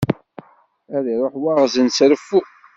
Ad iruḥ waɣzen s reffu.